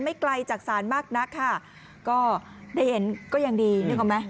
ไกลจากศาลมากนักค่ะก็ได้เห็นก็ยังดีนึกออกไหม